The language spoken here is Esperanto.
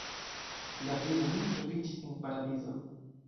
Davido nun troviĝis en Paradizo.